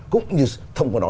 cũng như thông qua đó